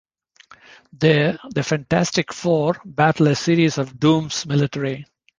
There, the Fantastic Four battle a series of Doom's military.